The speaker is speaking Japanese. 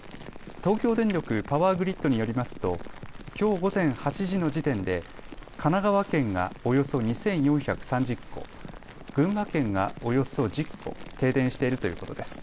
東京電力パワーグリッドによりますときょう午前８時の時点で神奈川県がおよそ２４３０戸、群馬県がおよそ１０戸、停電しているということです。